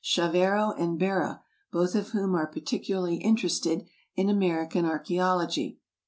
Chavero and Berra, both of whom are particularly interested in American archaeology.